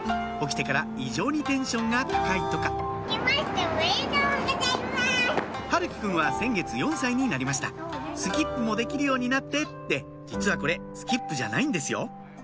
起きてから異常にテンションが高いとか陽喜くんは先月４歳になりましたスキップもできるようになってって実はこれスキップじゃないんですよ